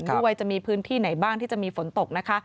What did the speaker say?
ด้วยจะมีพื้นที่ไหนบ้างที่จะมีฝนตกนะคะ